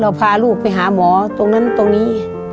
พาลูกไปหาหมอตรงนั้นตรงนี้